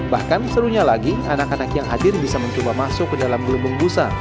bahkan serunya lagi anak anak yang hadir bisa mencoba masuk ke dalam gelembung busa